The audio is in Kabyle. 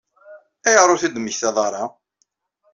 Ayɣer ur t-id-temmektaḍ ara?